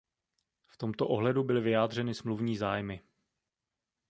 V tomto ohledu byly vyjádřeny smluvní zájmy.